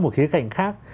một khía cạnh khác